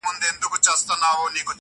توره شپه يې سوله جوړه پر چشمانو-